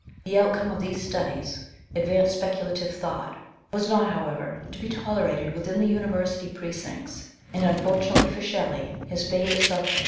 The outcome of these studies, advanced speculative thought, was not, how ever, to be tolerated within the University precincts, and, unfortunately for Shelley, his favourite subjects 42 MXS.